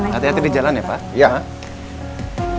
hati hati di jalan ya pak